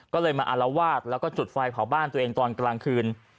ก็เลยมาละวาดจุดไฟเผาบ้านตัวเองตอนกลางคืน